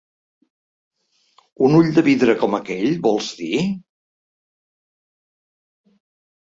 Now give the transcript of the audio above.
Un ull de vidre com aquell, vols dir?